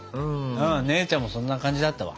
姉ちゃんもそんな感じだったわ。